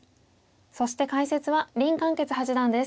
そして解説は林漢傑八段です。